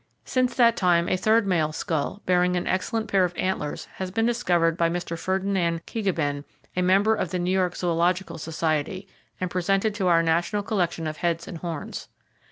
Since that time, a third male skull, bearing an excellent pair of antlers, has been discovered by Mr. Ferdinand Kaegebehn, a member of the New York Zoological Society, and presented to our National Collection of Heads and Horns.